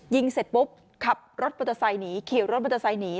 ยิงเสร็จปุ๊บขับรถมันจะใส่หนีเขียวรถมันจะใส่หนี